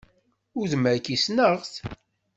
Udem-agi, ssneɣ-t!